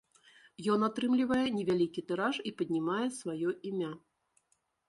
Ён атрымлівае невялікі тыраж і паднімае сваё імя.